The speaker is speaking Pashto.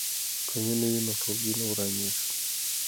که مینه وي نو ټولګی نه ورانیږي.